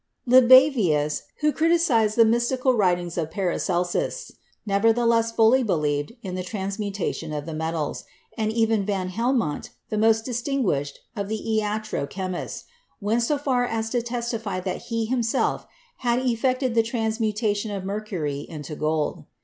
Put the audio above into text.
THE LATER ALCHEMISTS 45 Libavius, who criticized the mystical writings of the Paracelsists, nevertheless fully believed in the transmuta tion of the metals, and even van Helmont, the most dis tinguished of the iatro chemists, went so far as to testify that he himself had effected the transmutation of mercury into gold.